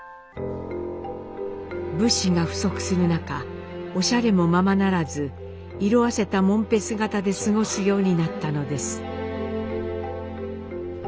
物資が不足する中おしゃれもままならず色あせたもんぺ姿で過ごすようになったのです。